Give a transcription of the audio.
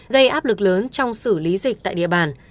gây áp lực lớn trong xử lý dịch tại địa bàn